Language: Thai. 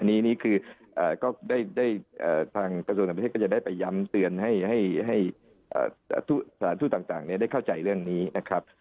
อันนี้คือก็ได้ทางกระทรวงต่างประเทศก็จะได้ไปย้ำเตือนให้สถานทูตต่างได้เข้าใจเรื่องนี้นะครับ